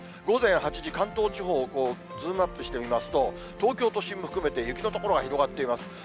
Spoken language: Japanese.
午前８時、関東地方、ズームアップして見ますと、東京都心も含めて、雪の所が広がっています。